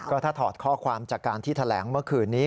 ก็ถ้าถอดข้อความจากการที่แถลงเมื่อคืนนี้